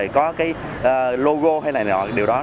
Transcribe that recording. có cái logo hay này nọ